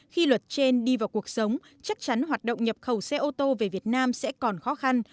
khi luật trên đi vào cuộc sống chắc chắn hoạt động nhập khẩu xe ô tô về việt nam sẽ còn khó khăn